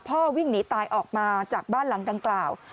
วิ่งหนีตายออกมาจากบ้านหลังดังกล่าว